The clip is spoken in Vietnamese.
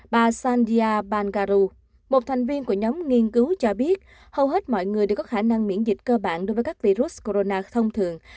bà sandia ban gau một thành viên của nhóm nghiên cứu cho biết hầu hết mọi người đều có khả năng miễn dịch cơ bản đối với các virus corona thông thường